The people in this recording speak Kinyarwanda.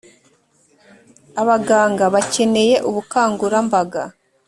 Abaganga bakeneye ubukangurambaga